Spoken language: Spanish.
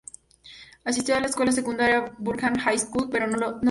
Asistió a la escuela secundaria Burbank High School, pero no se recibió.